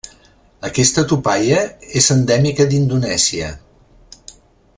Aquesta tupaia és endèmica d'Indonèsia.